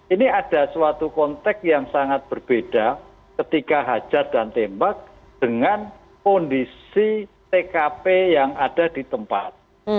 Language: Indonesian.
ini ada suatu konteks yang sangat berbeda ketika hajar dan tembak dengan kondisi tkp yang ada di tempat